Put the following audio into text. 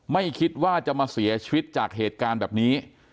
ไม่คิดว่าจะมาเสียชีวิตจากเหตุการณ์แบบนี้